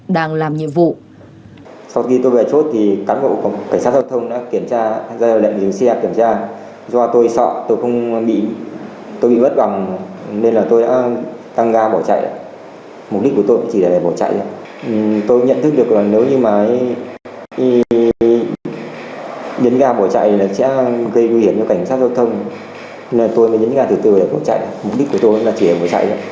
đang làm nhiệm vụ